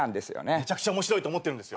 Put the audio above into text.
めちゃくちゃ面白いと思ってるんですよ。